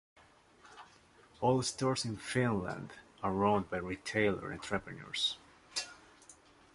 All stores in Finland are owned by retailer entrepreneurs.